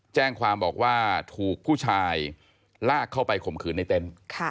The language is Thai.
แจ้งความบอกว่าถูกผู้ชายลากเข้าไปข่มขืนในเต็นต์